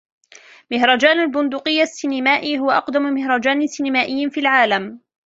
مهرجان البندقية السينمائي هو أقدم مهرجان سينِمائي في العالم.